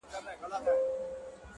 چي پیدا دی له قسمته څخه ژاړي٫